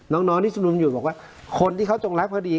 น้องน้องที่สมยุดบอกว่าคนที่เขาจงรับพอดี